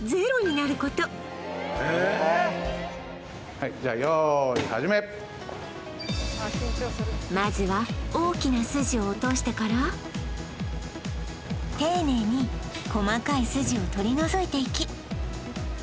はいじゃあまずは大きなスジを落としてから丁寧に細かいスジを取り除いていき・